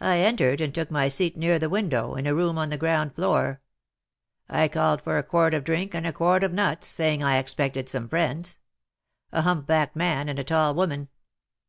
I entered and took my seat near the window, in a room on the ground floor. I called for a quart of drink and a quart of nuts, saying I expected some friends, a humpbacked man and a tall woman.